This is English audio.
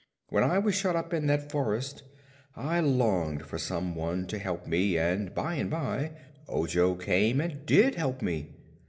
When I was shut up in that forest I longed for some one to help me, and by and by Ojo came and did help me.